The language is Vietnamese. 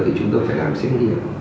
thì chúng tôi phải làm xét nghiệm